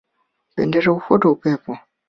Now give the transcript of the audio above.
Bendera hufuata upepo